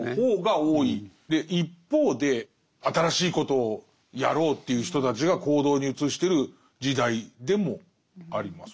一方で新しいことをやろうという人たちが行動に移してる時代でもあります。